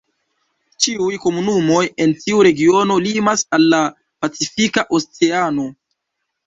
Ĉiuj komunumoj en tiu regiono limas al la pacifika oceano.